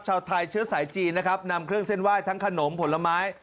ชาวไทยเชื้อสายจีนนะครับนำเครื่องเส้นไหว้ทั้งขนมผลไม้